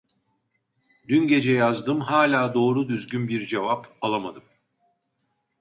Dün gece yazdım hala doğru düzgün bir cevap alamadım